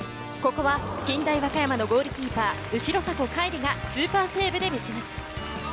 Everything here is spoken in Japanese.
ここは近大和歌山のゴールキーパー・後迫海吏がスーパーセーブで見せます。